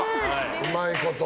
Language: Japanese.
うまいこと。